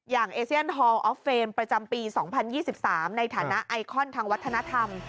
เอเซียนฮอลออฟเฟนประจำปี๒๐๒๓ในฐานะไอคอนทางวัฒนธรรม